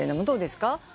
どうですか？